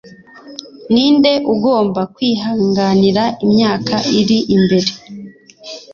ninde ugomba kwihanganira imyaka iri imbere